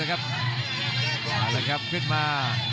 เอาละครับขึ้นมา